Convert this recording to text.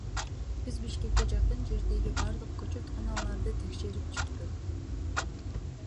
Биз Бишкекке жакын жердеги бардык көчөтканаларды текшерип чыктык.